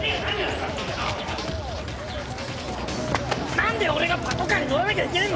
なんで俺がパトカーに乗らなきゃいけねぇんだよ！？